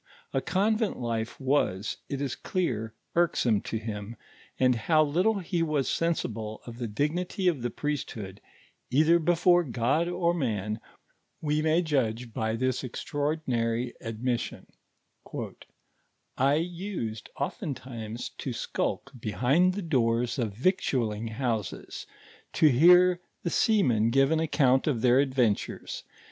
A convent life was, it is dear, irksome to him, and how little he wns sensible of the dignity of the priesthood, either before God or man, we may judge by this extraordinary admission: "I used oftentimes to skulk behind the doors of victualling houses, to hear the sea men give an account of their adventures.